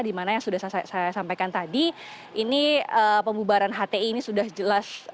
dimana yang sudah saya sampaikan tadi ini pembubaran hti ini sudah jelas